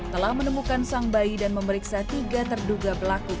telah menemukan sang bayi dan memeriksa tiga terduga pelaku